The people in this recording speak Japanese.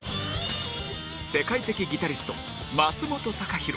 世界的ギタリスト松本孝弘